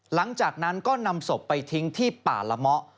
หลังจากนั้นก็นำศพไปทิ้งที่ป่าละเมาะ